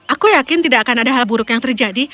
aku yakin tidak akan ada hal buruk yang terjadi